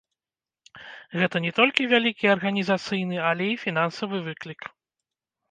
Гэта не толькі вялікі арганізацыйны, але і фінансавы выклік.